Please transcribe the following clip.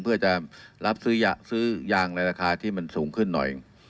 เพื่อจะรับซื้อยางในราคาที่มันสูงขึ้นหน่อย